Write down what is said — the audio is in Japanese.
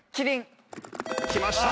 きました！